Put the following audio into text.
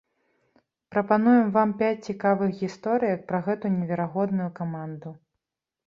Прапануем вам пяць цікавых гісторыек пра гэту неверагодную каманду.